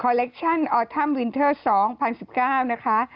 คอลเลคชั่นออทัมวินเทอร์สองพันสิบเก้านะคะ